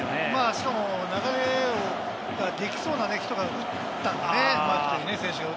しかも、流れができそうな人が打ったんでね。